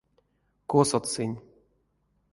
Косот сынь?